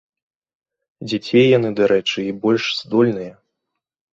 Дзяцей, яны, дарэчы, і больш здольныя.